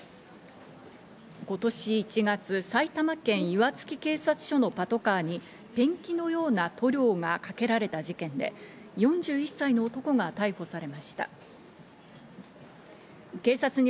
今年１月、埼玉県岩槻警察署のパトカーにペンキのような塗料がかけられた事件で、４１歳の男が逮捕されました。